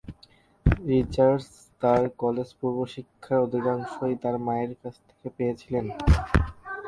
Richards তার কলেজ-পূর্ব শিক্ষার অধিকাংশই তার মায়ের কাছ থেকে পেয়েছিলেন।